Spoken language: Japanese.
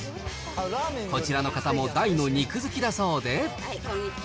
こちらの方も大の肉好きだそうで。